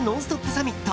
サミット。